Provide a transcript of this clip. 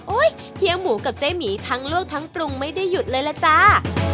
เฮียหมูกับเจ๊หมีทั้งลวกทั้งปรุงไม่ได้หยุดเลยล่ะจ้า